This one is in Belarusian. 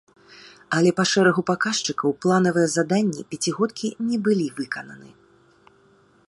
Але па шэрагу паказчыкаў планавыя заданні пяцігодкі не былі выкананы.